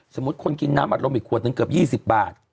สมมุติคนกินน้ำอัดลมอีกขวดนึงเกือบ๒๐บาท